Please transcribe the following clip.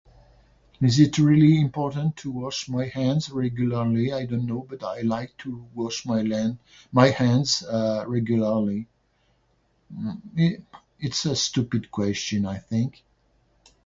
Is it really important to wash my hands regularly, I dont know, but I like to wash my land, my hands, uh, regularly. M, m it's a stupid question I think.